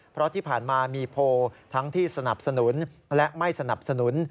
เพราะที่ผ่านมามีโพลทั้งที่สนับสนุนและไม่สนับสนุน